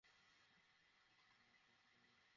হ্যাঁ, বিশেষ করে আজ।